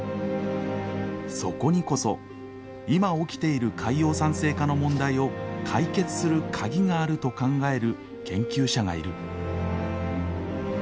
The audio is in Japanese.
そこにこそ今起きている海洋酸性化の問題を解決するカギがあると考える研究者がいる。